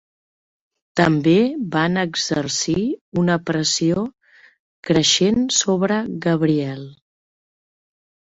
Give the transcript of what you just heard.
També van exercir una pressió creixent sobre Gabriel.